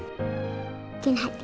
bikin hadiah buat om baik